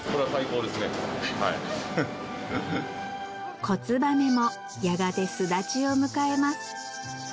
子つばめもやがて巣立ちを迎えます